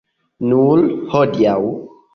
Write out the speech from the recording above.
Nur hodiaŭ.